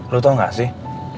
lo tau gak sih